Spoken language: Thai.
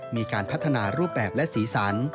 มีการพัฒนารูปแบบและสีสัน